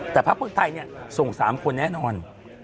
แต่พักเพื่อไทยเนี่ยส่งสามคนแน่นอน